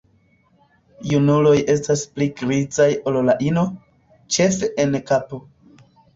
Junuloj estas pli grizaj ol la ino, ĉefe en kapo.